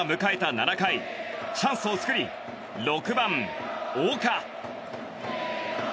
７回チャンスを作り６番、岡。